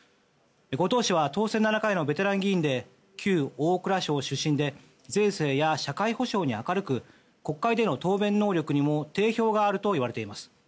後藤氏は当選７回のベテラン議員で旧大蔵省出身で税制や社会保障に明るく国会での答弁能力にも定評があるといわれています。